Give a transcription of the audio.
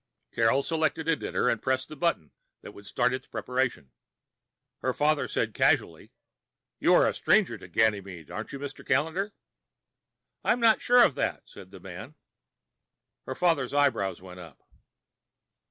Carol selected a dinner and pressed the button that would start its preparation. Her father said casually, "You are a stranger to Ganymede, aren't you, Mr. Callendar?" "I'm not sure of that," said the man. Her father's eyebrows went up.